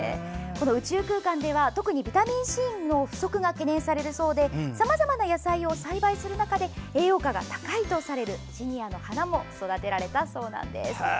宇宙空間では、特にビタミンＣの不足が懸念されるそうでさまざまな野菜を栽培する中で栄養価が高いとされるジニアの花も育てられたそうです。